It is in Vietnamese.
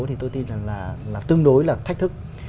thì tôi tin là tương đối là thách thức